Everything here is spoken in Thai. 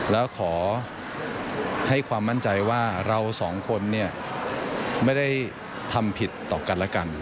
แล้วขอให้ความมั่นใจว่าเราสองคนเนี่ยไม่ได้ทำผิดต่อกันและกัน